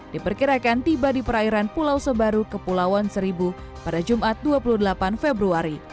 diperkirakan tiba di perairan pulau sebaru kepulauan seribu pada jumat dua puluh delapan februari